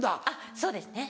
そうですね。